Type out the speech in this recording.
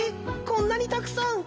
こんなにたくさん。